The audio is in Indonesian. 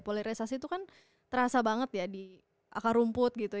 polarisasi itu kan terasa banget ya di akar rumput gitu